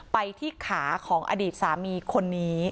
ไปที่ขาของอดีตสามีคนนี้